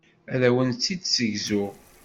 Ad awen-tt-id-ssegzuɣ.